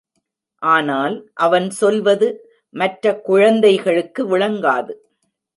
ஆனால், அவன் சொல்வது மற்ற குழந்தைகளுக்கு விளங்காது.